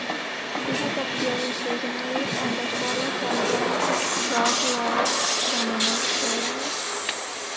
He has appeared occasionally on the former program "Rove Live" when in Australia.